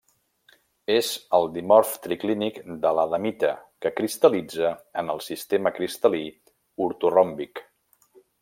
És el dimorf triclínic de l'adamita, que cristal·litza en el sistema cristal·lí ortoròmbic.